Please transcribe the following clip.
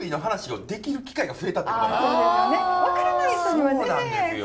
そうなんですよ。